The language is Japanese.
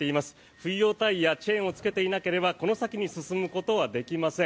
冬用タイヤ、チェーンをつけていなければこの先に進むことはできません。